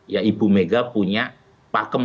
ya ibu mega punya pakem